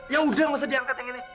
yaudah nggak usah diangkat yang ini